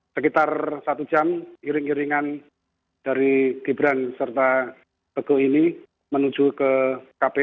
sekitar satu jam iring iringan dari gibran serta teguh ini menuju ke kpu